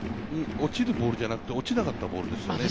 落ちるボールじゃなくて落ちなかったボールですよね。